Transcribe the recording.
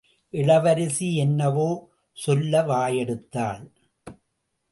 இளவரசி என்னவோ சொல்ல வாயெடுத்தாள்.